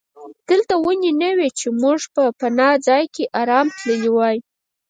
دلته ونې نه وې چې موږ په پناه ځای کې آرام تللي وای.